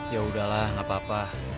yaudahlah gak apa apa